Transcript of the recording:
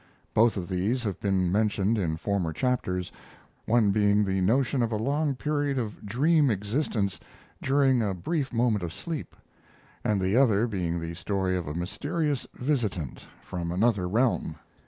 Both of these have been mentioned in former chapters; one being the notion of a long period of dream existence during a brief moment of sleep, and the other being the story of a mysterious visitant from another realm.